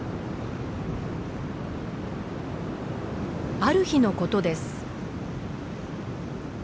ある日のことです。